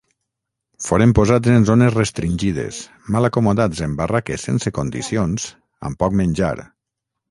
Foren posats en zones restringides, mal acomodats en barraques sense condicions, amb poc menjar.